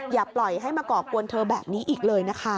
อย่าปล่อยให้มาก่อกวนเธอแบบนี้อีกเลยนะคะ